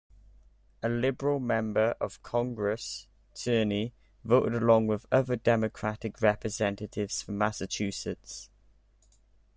A liberal member of Congress, Tierney voted along with other Democratic Representatives from Massachusetts.